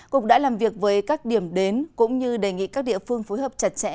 cục đã làm việc với các điểm đến cũng như đề nghị các địa phương phối hợp chặt chẽ